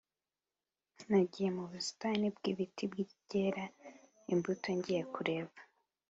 nagiye mu busitani t bw ibiti byera imbuto ngiye kureba